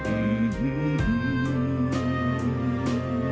อื้อหือหือ